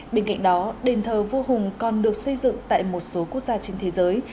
bên cạnh đó đền thờ vua hùng còn được xây dựng tại một số quốc gia trên thế giới